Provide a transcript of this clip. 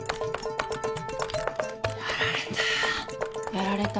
やられた！